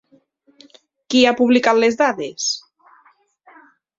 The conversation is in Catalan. Qui ha publicat les dades?